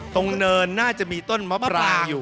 ตรงเนินน่าจะมีต้นมะปราง